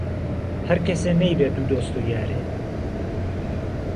ههر کهسێ نهیبێ دوو دۆست و یارێ